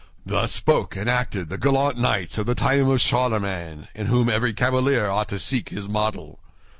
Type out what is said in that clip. Thus spoke and acted the gallant knights of the time of Charlemagne, in whom every cavalier ought to seek his model.